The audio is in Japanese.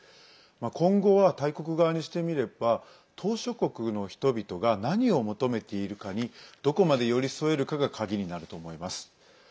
今後は大国側にしてみれば島しょ国の人々が何を求めているかにどこまで寄り添えるかが鍵になると思います。